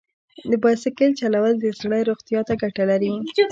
د بایسکل چلول د زړه روغتیا ته ګټه لري.